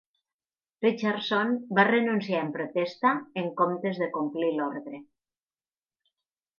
Richardson va renunciar en protesta en comptes de complir l'ordre.